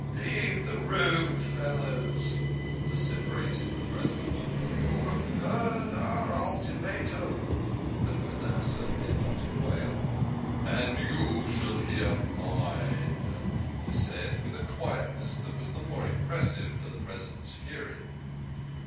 "Leave the room, fellow," vociferated the President. "You have heard our ultimatum !" But Manasseh did not quail. "And you shall hear mine," he said, with a quietness that was the more impressive for the President's fury.